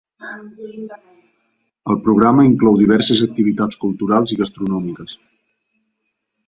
El programa inclou diverses activitats culturals i gastronòmiques.